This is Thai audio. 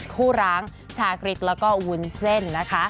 คู่ร้างชาคริสแล้วก็วุ้นเส้นนะคะ